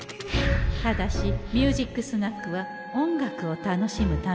ただし「ミュージックスナック」は音楽を楽しむためのもの。